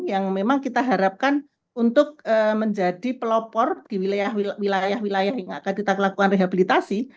yang memang kita harapkan untuk menjadi pelopor di wilayah wilayah yang akan kita lakukan rehabilitasi